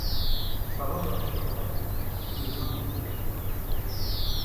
Isseṛwa-yaɣ si lxirat-is, Illu n leslak-nneɣ.